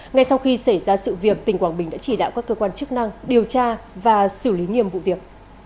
ngay sau khi xảy ra sự việc tỉnh quảng bình đã chỉ đạo các cơ quan chức năng điều tra và xử lý nghiêm vụ việc